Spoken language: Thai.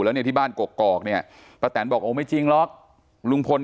แล้วเนี่ยที่บ้านกกอกเนี่ยป้าแตนบอกโอ้ไม่จริงหรอกลุงพล